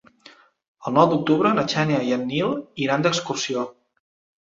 El nou d'octubre na Xènia i en Nil iran d'excursió.